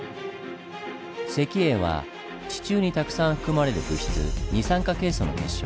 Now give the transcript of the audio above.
石英は地中にたくさん含まれる物質「二酸化ケイ素」の結晶。